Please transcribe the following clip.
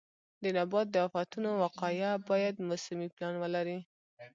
د نبات د آفتونو وقایه باید موسمي پلان ولري.